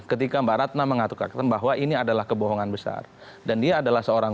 ketika mbak ratna mengatur kata bahwa ini adalah kebohongan besar dan dia adalah seorang